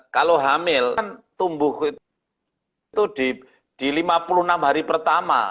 kalau hamil kan tumbuh itu di lima puluh enam hari pertama